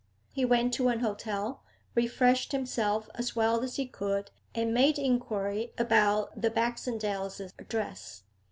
He went to an hotel, refreshed himself as well as he could, and made inquiry about the Baxendales' address.